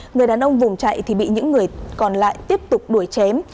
người đàn ông vùng chạy thì bị những người còn lại tiếp tục đuổi chém